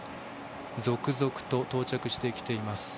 続々と到着してきています。